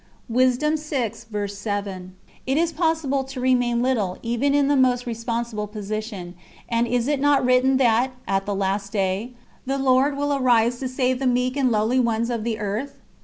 It is possible to remain little even in the most responsible position, and is it not written that, at the last day, 'the Lord will arise to save the meek and lowly ones of the earth'?